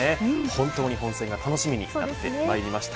本当に本戦が楽しみになっています。